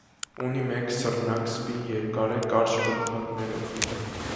Ունի մեկ սռնակ, սպին երկար է, կարճ բլթակներով։